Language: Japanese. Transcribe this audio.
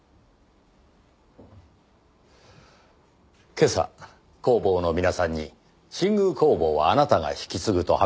今朝工房の皆さんに新宮工房はあなたが引き継ぐと発表されたそうですねぇ。